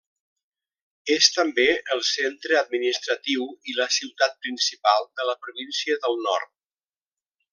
És també el centre administratiu i la ciutat principal de la província del Nord.